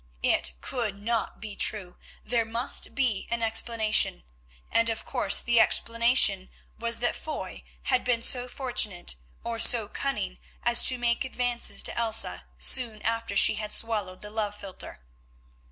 It could not be true, there must be an explanation, and, of course, the explanation was that Foy had been so fortunate, or so cunning as to make advances to Elsa soon after she had swallowed the love philtre.